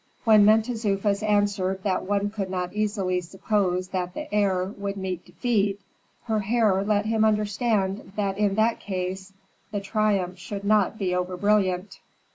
When Mentezufis answered that one could not easily suppose that the heir would meet defeat, Herhor let him understand that in that case the triumph should not be over brilliant.